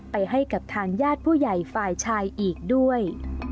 ไปให้กับทางญาติผู้ใหญ่ฝ่ายชายอีกด้วย